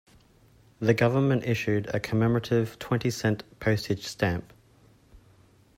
The government issued a commemorative twenty cent postage stamp.